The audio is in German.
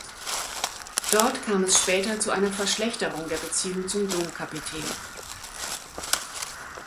Dort kam es später zu einer Verschlechterung der Beziehung zum Domkapitel.